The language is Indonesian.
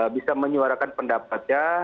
bisa menyuarakan pendapatnya